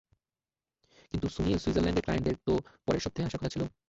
কিন্তু সুনিল সুইজারল্যান্ডের ক্লায়েন্টদের তো পরের সপ্তাহে আসার কথা ছিল?